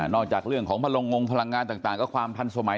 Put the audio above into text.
จากเรื่องของพลังงงพลังงานต่างก็ความทันสมัย